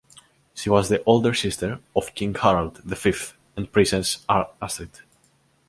She was the older sister of King Harald the Fifth and Princess Astrid.